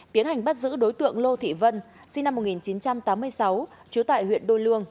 tiến hành bắt giữ đối tượng lô thị vân sinh năm một nghìn chín trăm tám mươi sáu chứa tại huyện đô lương